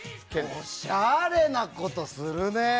おしゃれなことするね。